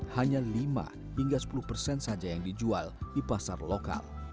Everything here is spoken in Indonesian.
hanya lima hingga sepuluh persen saja yang dijual di pasar lokal